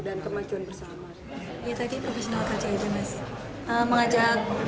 ya tadi profesional kerja itu mas mengajak kebersamaan sedulur kabeh makmur gitu ya